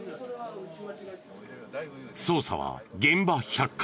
捜査は現場百回。